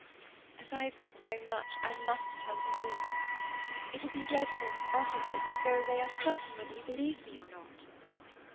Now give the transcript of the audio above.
"As I have said so much I must tell you all. It would be dreadful after this to go away uncertain whether you believed me or not."